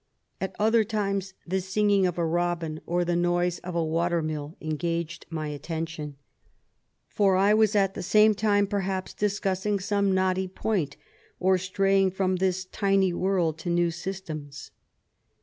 At other times, the singing of a robin or the noise of a water mill engaged my attention ; for I was at the same time, perhaps, discussing some knotty point, or straying from this tintf world to new systems.